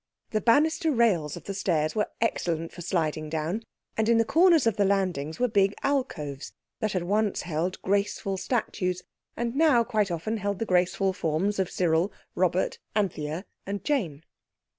The banister rails of the stairs were excellent for sliding down, and in the corners of the landings were big alcoves that had once held graceful statues, and now quite often held the graceful forms of Cyril, Robert, Anthea, and Jane.